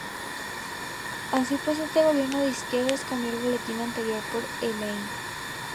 Así pues, este gobierno de izquierdas cambió el boletín anterior por el Ei!.